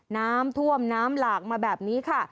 น้ำท่วมน้ำหลากมาแบบนี้ค่ะ